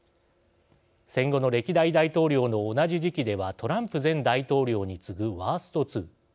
戦後の歴代大統領の同じ時期ではトランプ前大統領に次ぐワースト２。